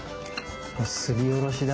すりおろしだ。